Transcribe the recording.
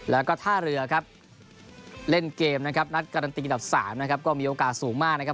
แล้วก็ท่าเรือครับเล่นเกมนะครับนัดการันตีอันดับ๓นะครับก็มีโอกาสสูงมากนะครับ